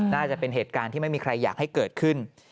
น่าจะเป็นเหตุการณ์ที่ไม่มีใครอยากให้เกิดขึ้น